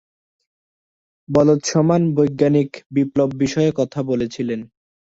বোলৎসমান বৈজ্ঞানিক বিপ্লব বিষয়ে কথা বলেছিলেন।